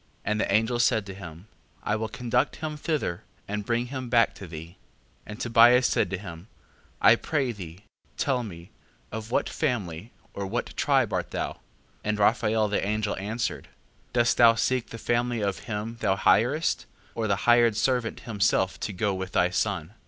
5:15. And the angel said to him: I will conduct him thither, and bring him back to thee. 5:16. And Tobias said to him: I pray thee, tell me, of what family, or what tribe art thou? 5:17. And Raphael the angel answered: Dost thou seek the family of him thou hirest, or the hired servant himself to go with thy son?